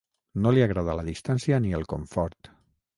No li agrada la distància ni el confort.